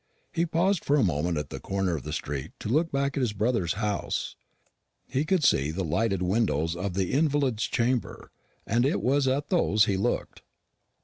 He paused for a moment at the corner of the street to look back at his brother's house. He could see the lighted windows of the invalid's chamber, and it was at those he looked.